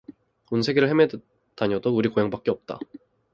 온 세계를 헤매다녀도 우리 고향밖에 없다.